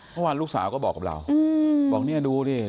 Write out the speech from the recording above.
เมื่อวานลูกสาวก็บอกกับเรา